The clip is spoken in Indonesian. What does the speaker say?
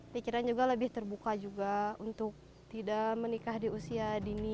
pikiran juga lebih terbuka juga untuk tidak menikah di usia dini